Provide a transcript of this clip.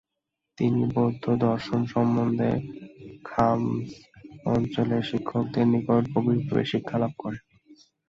তিনি বৌদ্ধ দর্শন সম্বন্ধে খাম্স অঞ্চলের শিক্ষকদের নিকট গভীরভাবে শিক্ষালাভ করেন।